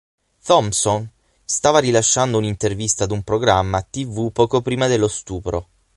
Thompson stava rilasciando un'intervista ad un programma Tv poco prima dello stupro.